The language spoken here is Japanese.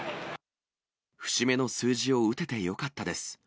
節目の数字を打ててよかったです。